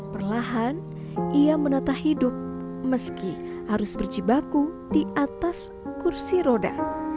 perlahan ia menata hidup meski harus berjibaku di atas kursi roda